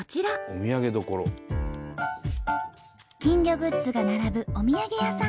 金魚グッズが並ぶお土産屋さん。